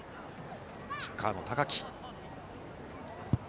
キッカーの高木。